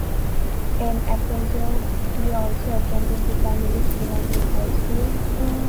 In Apeldoorn he also attended the primary school and his high school.